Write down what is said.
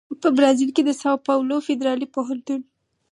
په برازیل کې د ساو پاولو فدرالي پوهنتون